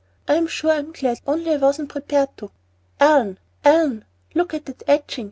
And I'm sure I'm glad, only I wasn't prepared to Ellen! Ellen! look at that etching!